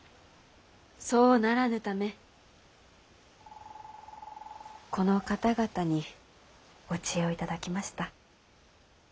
そうならぬためこの方々にお知恵を頂きました。